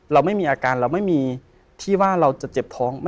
เราไม่มีอาการเราไม่มีที่ว่าเราจะเจ็บท้อง